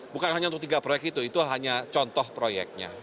bukan hanya untuk tiga proyek itu itu hanya contoh proyeknya